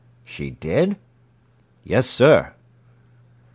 "She did?" "Yes, sir."